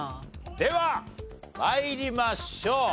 では参りましょう。